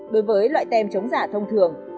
đối với loại tem chống giả thông thường